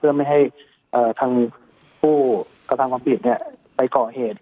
เพื่อไม่ให้ทางผู้กระทำความผิดไปก่อเหตุ